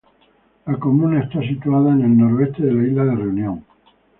La comuna está situada en el noreste de la isla de Reunión.